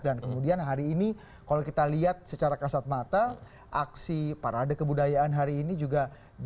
dan kemudian hari ini kalau kita lihat secara kasat mata aksi parade kebudayaan hari ini juga